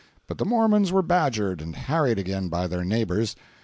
But the Mormons were badgered and harried again by their neighbors.